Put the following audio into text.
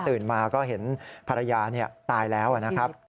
ตื่นมาก็เห็นภรรยานี่ตายแล้วนะครับ